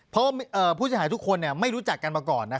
เพราะผู้เสียหายทุกคนไม่รู้จักกันมาก่อน